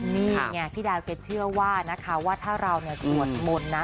นี่ไงพี่ดาวแกเชื่อว่านะคะว่าถ้าเราสวดมนต์นะ